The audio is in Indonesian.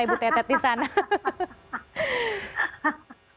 ibu tetet di sana